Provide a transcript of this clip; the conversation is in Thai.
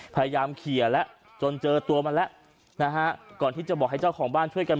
พยายามเคลียร์แล้วจนเจอตัวมันแล้วนะฮะก่อนที่จะบอกให้เจ้าของบ้านช่วยกัน